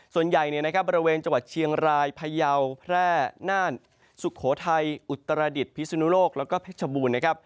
ส่วนใหญ่บริเวณจังหวัดเชียงรายพายาวแพร่น่านสุโขทัยอุตรดิตพิสุนโลกแล้วก็เพชรบูรณ์